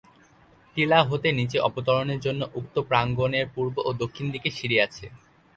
টিলা হতে নিচে অবতরণের জন্য উক্ত প্রাঙ্গণের পূর্ব ও দক্ষিণ দিকে সিঁড়ি আছে।